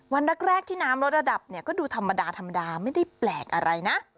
วันแรกที่น้ำลดระดับเนี่ยก็ดูธรรมดาธรรมดาไม่ได้แปลกอะไรนะ